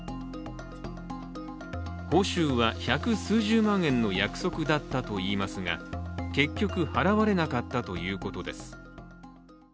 報酬は百数十万円の約束だったといいますが結局払われなかったということです。